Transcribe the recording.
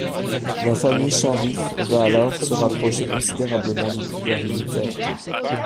La famille Sharif va alors se rapprocher considérablement du pouvoir militaire.